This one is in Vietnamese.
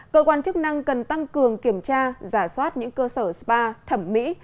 cơ quan chức năng cần tăng cường kiểm tra giả soát những cơ sở spa thẩm mỹ